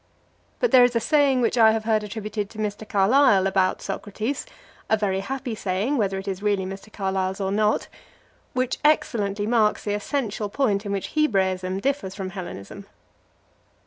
But there is a saying which I have heard attributed to Mr. Carlyle about Socrates, a very happy saying, whether it is really Mr. Carlyle's or not, which excellently marks the essential point in which Hebraism differs from Hellenism.